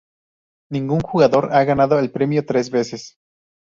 Ningún jugador ha ganado el premio tres veces.